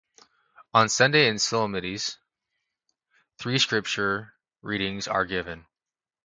On Sundays and solemnities, three Scripture readings are given.